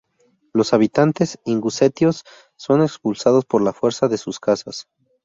Los habitantes ingusetios son expulsados por la fuerza de sus casas.